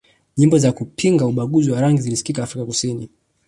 nyimbo za kupinga ubaguzi wa rangi zilisikika Afrika kusini